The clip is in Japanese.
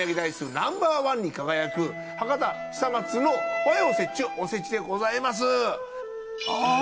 ナンバーワンに輝く博多久松の和洋折衷おせちでございます。